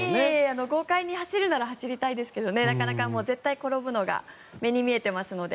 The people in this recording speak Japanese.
豪快に走れるなら走りたいですが絶対転ぶのが目に見えてますので。